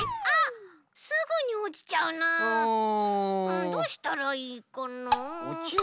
んどうしたらいいかな？